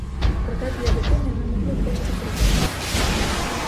Проте для дитини ми могли б дещо зробити.